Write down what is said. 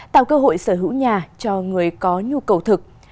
tạo cơ hội sở hữu nhà cho người có nhu cầu thực